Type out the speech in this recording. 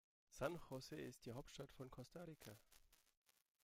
San José ist die Hauptstadt von Costa Rica.